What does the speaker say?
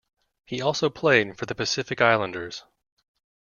He also played for the Pacific Islanders.